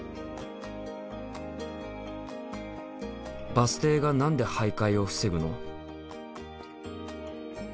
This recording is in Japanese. バス停が何で徘徊を防ぐの？